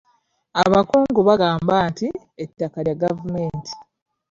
Abakungu bagamba nti ettaka lya gavumenti.